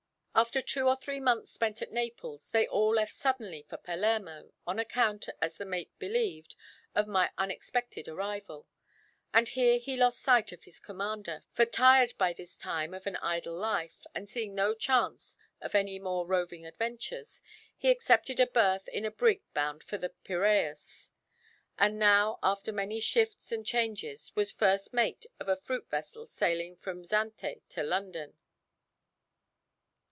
After two or three months spent at Naples, they all left suddenly for Palermo, on account, as the mate believed, of my unexpected arrival; and here he lost sight of his commander, for tired by this time of an idle life, and seeing no chance of any more roving adventures, he accepted a berth in a brig bound for the Piræus, and now after many shifts and changes was first mate of a fruit vessel sailing from Zante to London.